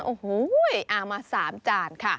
โอ้โหมา๓จานค่ะ